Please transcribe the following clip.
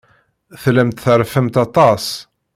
Tellamt terfamt aṭas.